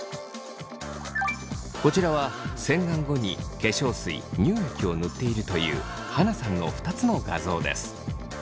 こちらは洗顔後に化粧水乳液を塗っているというはなさんの２つの画像です。